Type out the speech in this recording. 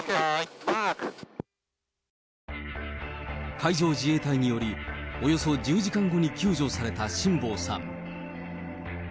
海上自衛隊により、およそ１０時間後に救助された辛坊さん。